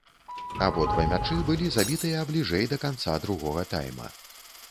Абодва мячы былі забітыя бліжэй да канца другога тайма.